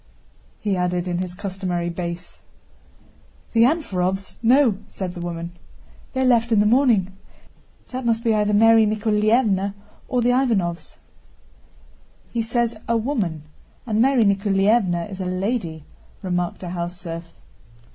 he added in his customary bass. "The Anférovs? No," said the woman. "They left in the morning. That must be either Mary Nikoláevna's or the Ivánovs'!" "He says 'a woman,' and Mary Nikoláevna is a lady," remarked a house serf.